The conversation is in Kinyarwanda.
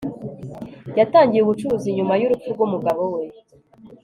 yatangiye ubucuruzi nyuma y'urupfu rw'umugabo we